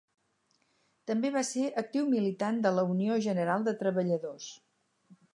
També va ser actiu militant de la Unió General de Treballadors.